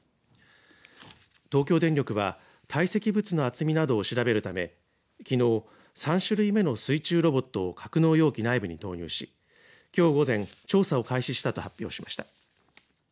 東京電力は堆積物の厚みなどを調べるためきのう３種類目の水中ロボットを格納容器内部に投入しきょう午前調査を開始したと発表しました。